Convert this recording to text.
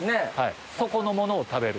底のものを食べる。